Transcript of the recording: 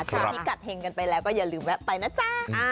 พิกัดเห็งกันไปแล้วก็อย่าลืมแวะไปนะจ๊ะ